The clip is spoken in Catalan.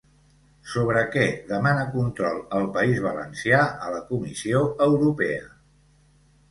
Sobre què demana control el País Valencià a la Comissió Europea?